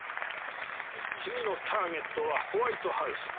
次のターゲットはホワイトハウス。